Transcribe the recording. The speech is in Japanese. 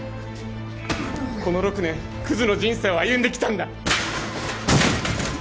この６年クズの人生を歩んできたんだ。